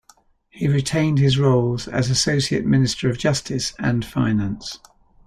He retained his roles as Associate Minister of Justice and Finance.